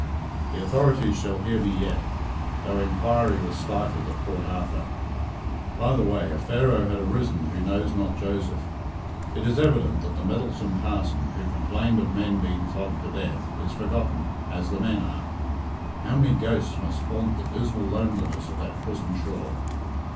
The authorities shall hear me yet though inquiry was stifled at Port Arthur. By the way, a Pharaoh had arisen who knows not Joseph. It is evident that the meddlesome parson, who complained of men being flogged to death, is forgotten, as the men are! How many ghosts must haunt the dismal loneliness of that prison shore!